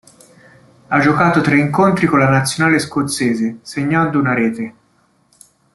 Ha giocato tre incontri con la nazionale scozzese, segnando una rete.